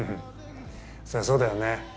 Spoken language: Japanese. そりゃそうだよね。